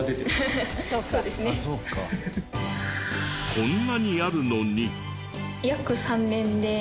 こんなにあるのに。